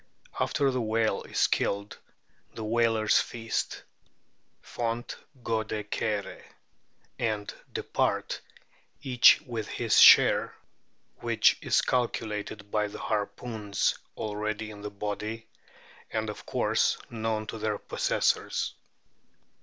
After the whale is killed the whalers feast ("font gode chere ") and depart, each with his share, which is calculated by the harpoons already in the body, and, of course, known to their possessors.